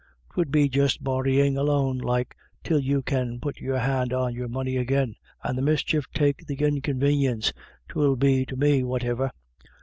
" 'Twould be just borryin' a loan like, till you can put your hand on your money agin, and the mischief take the inconvenience 'twill be to me whativer.